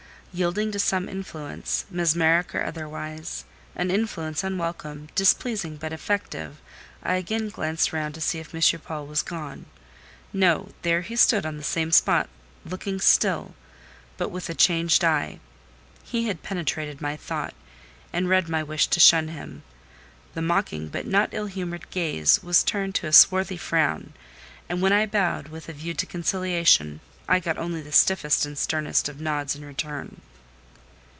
Yielding to some influence, mesmeric or otherwise—an influence unwelcome, displeasing, but effective—I again glanced round to see if M. Paul was gone. No, there he stood on the same spot, looking still, but with a changed eye; he had penetrated my thought, and read my wish to shun him. The mocking but not ill humoured gaze was turned to a swarthy frown, and when I bowed, with a view to conciliation, I got only the stiffest and sternest of nods in return.